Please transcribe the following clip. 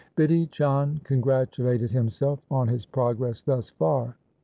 Bidhi Chand congratulated himself on his progress thus far.